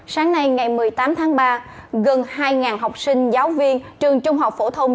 sáng nay ngày một mươi tám tháng ba gần hai học sinh giáo viên trường trung học phổ thông